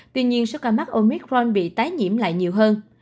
tuy nhiên số ca mắc omicron bị tái nhiễm lại nhiều hơn